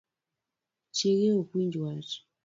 Chiege ok winj wach